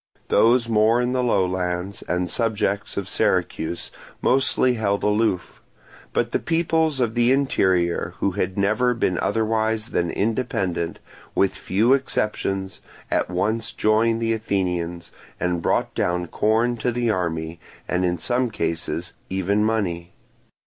Those more in the low lands, and subjects of Syracuse, mostly held aloof; but the peoples of the interior who had never been otherwise than independent, with few exceptions, at once joined the Athenians, and brought down corn to the army, and in some cases even money.